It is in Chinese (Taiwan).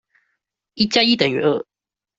一加一等於二。